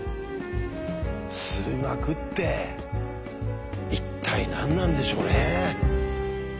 数学って一体何なんでしょうね？